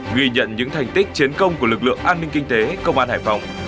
ghi nhận những thành tích chiến công của lực lượng an ninh kinh tế công an hải phòng